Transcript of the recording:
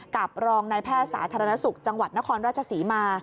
กับรองนายแพทย์สาธารณสุขจังหวัดนครราชศรีมา